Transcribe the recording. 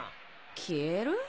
消える？